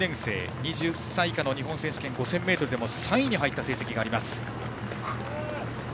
２０歳以下の日本選手権５０００ｍでも３位に入った成績があります。